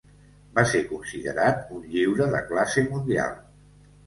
Va ser considerat un lliure de classe mundial.